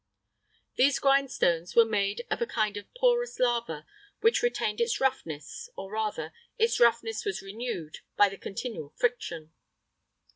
[III 41] These grindstones were made of a kind of porous lava, which retained its roughness, or rather, its roughness was renewed, by the continual friction.